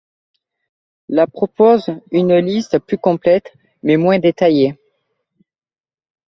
La propose une liste plus complète mais moins détaillée.